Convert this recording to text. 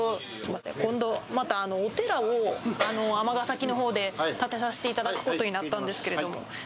今度、またお寺を、尼崎のほうで建てさせていただくことになったんですけれども。